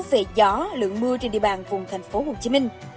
về gió lượng mưa trên địa bàn vùng thành phố hồ chí minh